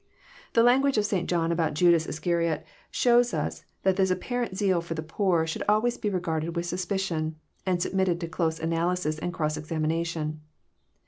— The language of St. John about Judas Iscariot shows us that this apparent zeal for the poor should always be regarded with suspicion, and submitted to close analysis and cross examination.